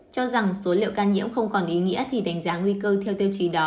cho rằng số liệu ca nhiễm không còn ý nghĩa thì đánh giá nguy cơ theo tiêu chí đó